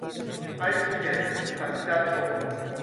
愛知県幸田町